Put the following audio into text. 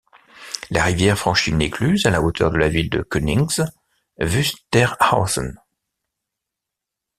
La rivière franchit une écluse à la hauteur de la ville de Königs Wusterhausen.